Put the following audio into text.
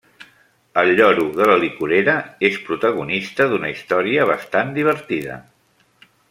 El lloro de la licorera és protagonista d'una història bastant divertida.